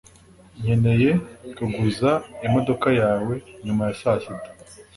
nkeneye kuguza imodoka yawe nyuma ya saa sita